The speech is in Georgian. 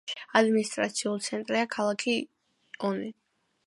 ადმინისტრაციული ცენტრია ქალაქი ონი.